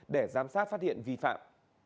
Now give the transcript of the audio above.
để giám sát phát hiện vi phạm